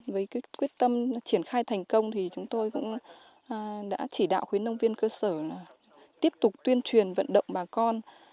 với quyết tâm triển khai thành công thì chúng tôi cũng đã chỉ đạo khuyến nông viên cơ sở tiếp tục tuyên truyền vận động bà con